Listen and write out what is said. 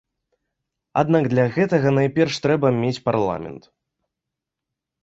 Аднак для гэтага, найперш, трэба мець парламент.